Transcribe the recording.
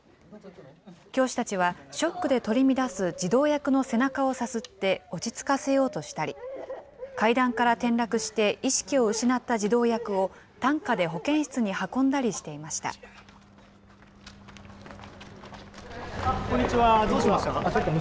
教師たちはショックで取り乱す児童役の背中をさすって落ち着かせようとしたり、階段から転落して意識を失った児童役を担架で保健室に運んだりしこんにちは、どうしました？